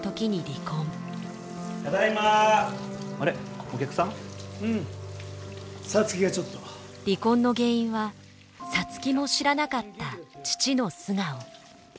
離婚の原因は皐月も知らなかった父の素顔。